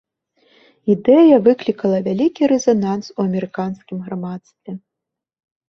Ідэя выклікала вялікі рэзананс у амерыканскім грамадстве.